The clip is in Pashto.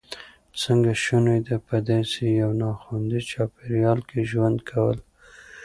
څنګه شونې ده په داسې یو ناخوندي چاپېریال کې ژوند کول.